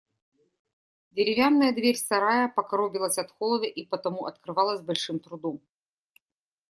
Деревянная дверь сарая покоробилась от холода и потому открывалась с большим трудом.